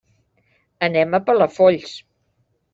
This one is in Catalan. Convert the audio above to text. Anem a Palafolls.